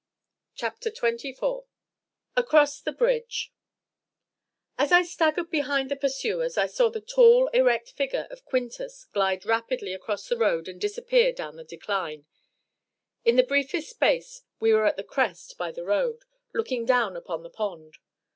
CHAPTER XXIV Across the Bridge As I staggered behind the pursuers I saw the tall, erect figure of Quintus glide rapidly across the road and disappear down the decline. In the briefest space we were at the crest by the road, looking down upon the pond.